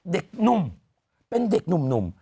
เด็กหนุ่มเป็นเด็กหนุ่ม